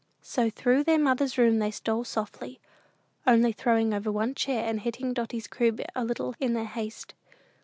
So through their mother's room they stole softly, only throwing over one chair, and hitting Dotty's crib a little in their haste.